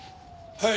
はい。